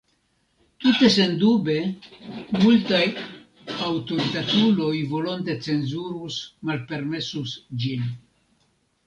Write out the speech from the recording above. Tute sendube multaj aŭtoritatuloj volonte cenzurus, malpermesus ĝin.